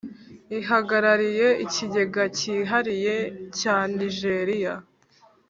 Ihagarariye Ikigega Cyihariye cya Nijeriya